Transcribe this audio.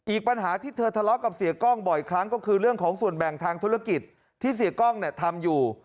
อีกปัญหาที่เธอทะเลาะกับเสียกล้องบ่อยครั้งก็คือเรื่องของส่วนแบ่งทางธุรกิจที่เสียกล้องเนี่ยทำอยู่